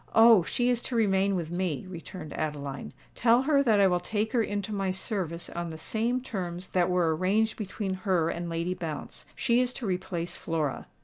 "Oh! she is to remain with me," returned Adeline. "Tell her that I will take her into my service on the same terms that were arranged between her and Lady Bounce. She is to replace Flora."